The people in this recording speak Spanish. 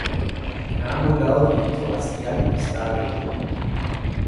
A ambos lados de dicho hastial está abierto.